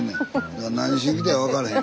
だから何しに来たか分からへん。